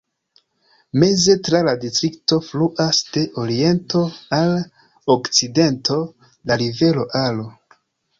Meze tra la distrikto fluas de oriento al okcidento la rivero Aro.